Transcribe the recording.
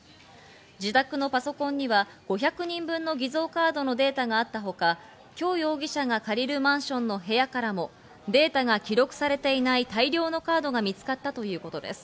自宅のパソコンには５００人分の偽造カードのデータがあったほか、キョ容疑者が借りるマンションの部屋からもデータが記録されていない大量のカードが見つかったということです。